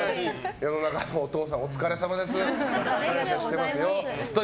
世の中のお父さんお疲れさまです。感謝してますよ。